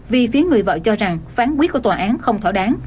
vì phía người vợ cho rằng phán quyết của tòa án không thỏa đáng